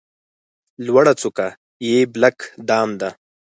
لوړه څوکه یې بلک دام ده.